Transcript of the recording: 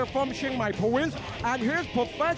ผู้ชนะมวยไทยไฟต์